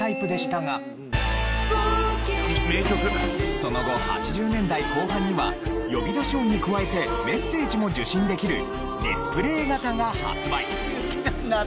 その後８０年代後半には呼び出し音に加えてメッセージも受信できるディスプレイ型が発売。